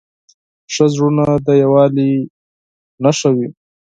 ښه زړونه د یووالي نښه وي.